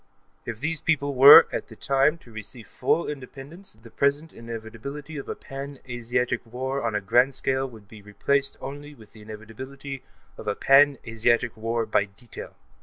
If these peoples were, at this time, to receive full independence, the present inevitability of a pan Asiatic war on a grand scale would be replaced only by the inevitability of a pan Asiatic war by detail.